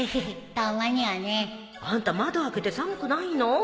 たまにはね。あんた窓開けて寒くないの？